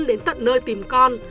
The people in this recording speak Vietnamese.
dẫn đến tận nơi tìm con